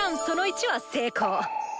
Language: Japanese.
その１は成功！